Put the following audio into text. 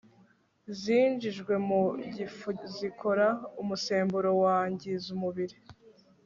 zinjijwe mu gifu zikora umusemburo wangiza umubiri